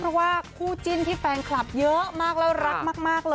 เพราะว่าคู่จิ้นที่แฟนคลับเยอะมากแล้วรักมากเลย